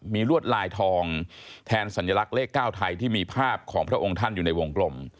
มีลวดลายทองแทนสัญลักษณ์เลข๙ไทยที่มีภาพของพระองค์ท่านอยู่ในวงกลม